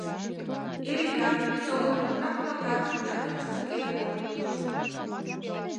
Юрикат, эсогыл кугурак-влакат ятырышт тыге огыт тошт.